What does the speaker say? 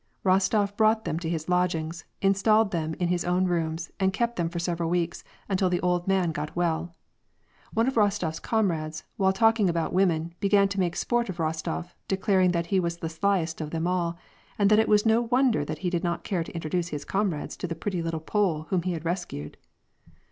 Rostof brought them to liis lodgings, installed them in his own rooms, and kept them for several weeks, until the old man got well. One of Rostof's comrades, while talking about women, began to make sport of Rostof, declaring that he was the slyest of them all, and that it was no wonder that he did not care to introduce his comrades to the pretty little Pole whom he had rescued.